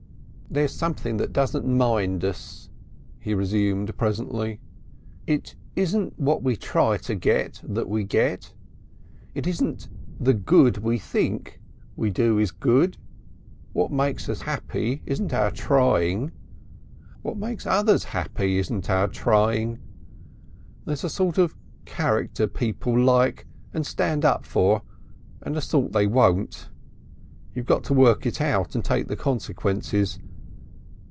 "There's something that doesn't mind us," he resumed presently. "It isn't what we try to get that we get, it isn't the good we think we do is good. What makes us happy isn't our trying, what makes others happy isn't our trying. There's a sort of character people like and stand up for and a sort they won't. You got to work it out and take the consequences....